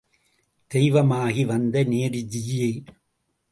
தெய்வமாகி வந்த நேருஜியே!...